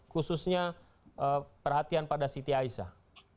khususnya perhatian pada siti aisyah